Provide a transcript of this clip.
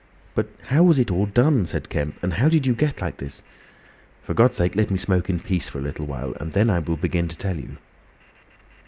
"But how was it all done?" said Kemp, "and how did you get like this?" "For God's sake, let me smoke in peace for a little while! And then I will begin to tell you."